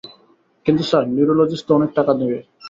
কিন্তু sir, neurologist তো অনেক টাকা নেবে!